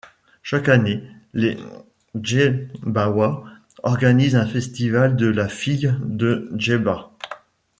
Chaque année, les Djebbaois organisent un Festival de la figue de Djebba.